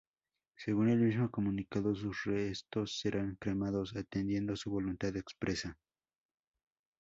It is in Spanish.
Según el mismo comunicado, sus restos serán cremados "atendiendo su voluntad expresa".